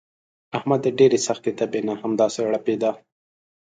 احمد د ډېرې سختې تبې نه همداسې ړپېدا.